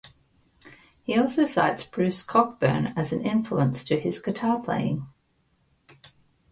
He also cites Bruce Cockburn as an influence to his guitar playing.